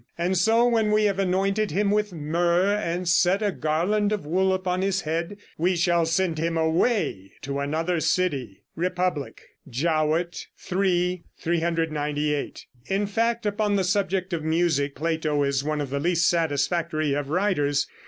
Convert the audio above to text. And so when we have anointed him with myrrh and set a garland of wool upon his head, we shall send him away to another city." (Republic, Jowett, iii, 398.) In fact, upon the subject of music, Plato is one of the least satisfactory of writers.